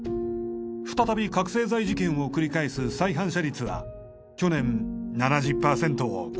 再び覚醒剤事件を繰り返す再犯者率は去年７０パーセントを超えた。